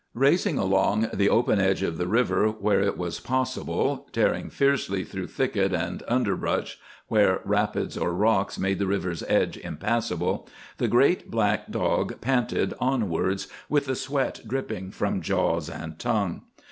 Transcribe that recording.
Racing along the open edge of the river where it was possible, tearing fiercely through thicket and underbrush where rapids or rocks made the river's edge impassable, the great black dog panted onwards with the sweat dripping from jaws and tongue.